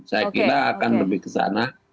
saya kira akan lebih ke sana